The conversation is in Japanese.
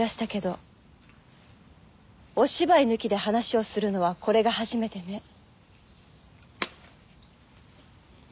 お芝居抜きで話をするのはこれが初めてね。